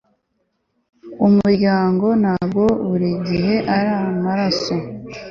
umuryango ntabwo buri gihe ari amaraso